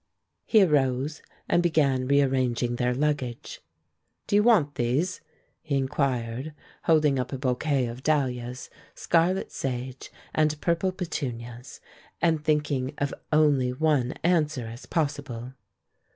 He arose and began rearranging their luggage. "Do you want these?" he inquired, holding up a bouquet of dahlias, scarlet sage, and purple petunias, and thinking of only one answer as possible.